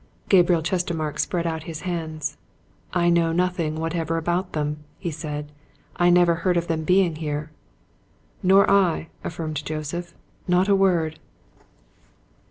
Gabriel Chestermarke spread out his hands. "I know nothing whatever about them!" he said. "I never heard of them being here." "Nor I," affirmed Joseph. "Not a word!"